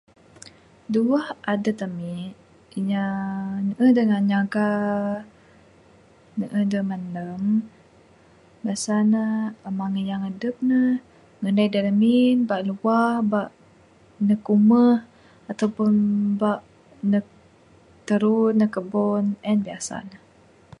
Duweh adat ami inya neeh dangan nyaga neeh da manam biasa ne amang inya adep ne nganai da ramin aba luah aba neg umeh ataupun aba neg tarun neg kabon en biasa ne.